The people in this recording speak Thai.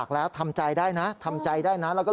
ทำใจได้นะทำใจได้นะทำใจได้นะเราก็รู้หรือยังไง